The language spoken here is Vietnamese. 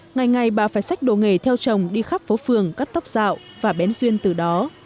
ngày ngày bà phải sách đồ nghề theo chồng đi khắp phố phường cắt tóc dạo và bén duyên từ đó